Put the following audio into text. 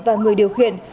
và người điều khiển